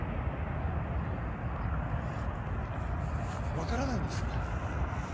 分からないんです。